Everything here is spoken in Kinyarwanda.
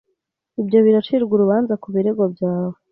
Ibyo biracirwa urubanza ku birego byawe